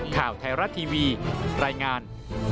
ข่าวไทยรัฐทีวีรายงาน